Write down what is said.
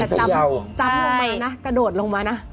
แต่จำลงมานะกระโดดลงมานะใช่